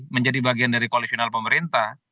menjadi bagian dari koalisional pemerintah